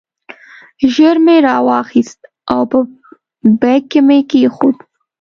ژر مې را واخیست او په بیک کې مې کېښود.